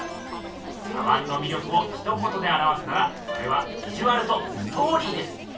茶碗のみ力をひと言であらわすならそれは「ビジュアル」と「ストーリー」です。